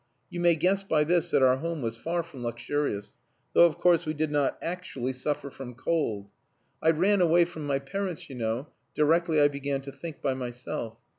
You may guess by this that our home was far from luxurious, though of course we did not actually suffer from cold. I ran away from my parents, you know, directly I began to think by myself.